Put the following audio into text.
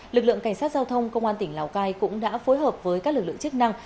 lực lượng cảnh sát giao thông công an tỉnh lào cai cũng đã phối hợp với các lực lượng chức năng